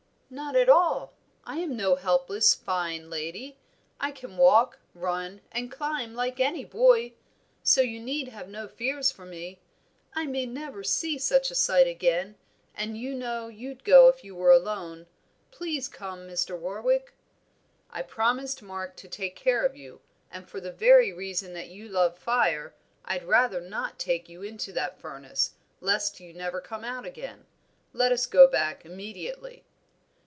"Not at all. I am no helpless, fine lady. I can walk, run, and climb like any boy; so you need have no fears for me. I may never see such a sight again, and you know you'd go if you were alone. Please come, Mr. Warwick." "I promised Mark to take care of you, and for the very reason that you love fire, I'd rather not take you into that furnace, lest you never come out again. Let us go back immediately."